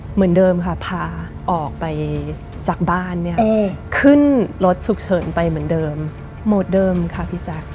เหมือนเดิมค่ะพาออกไปจากบ้านเนี่ยขึ้นรถฉุกเฉินไปเหมือนเดิมโหมดเดิมค่ะพี่แจ๊ค